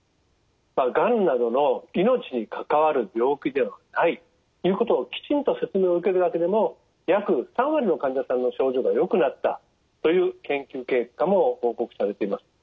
がんなどの命に関わる病気ではないということをきちんと説明を受けるだけでも約３割の患者さんの症状がよくなったという研究結果も報告されています。